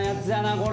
これ。